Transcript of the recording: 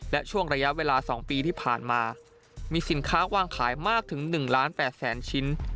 และช่วงระยะเวลา๒ปีที่ผ่านมามีสินค้าวางขายมากถึง๑ล้าน๘แสนชิ้น